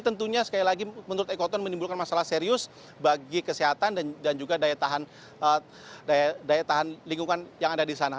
tentunya sekali lagi menurut ekoton menimbulkan masalah serius bagi kesehatan dan juga daya tahan lingkungan yang ada di sana